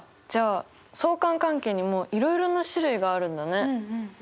じゃあ相関関係にもいろいろな種類があるんだね。